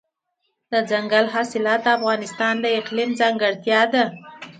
دځنګل حاصلات د افغانستان د اقلیم ځانګړتیا ده.